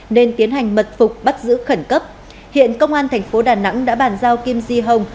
nên tiến hành mật phục bắt giữ khẩn cấp hiện công an thành phố đà nẵng đã bàn giao kim di hồng